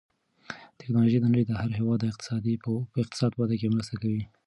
تکنالوژي د نړۍ د هر هېواد د اقتصاد په وده کې مرسته کوي.